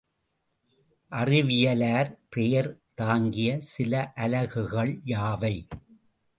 அறிவியலார் பெயர் தாங்கிய சில அலகுகள் யாவை?